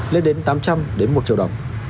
lên đến tám trăm linh đến một triệu đồng